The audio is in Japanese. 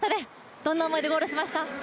どんな思いでゴールしました？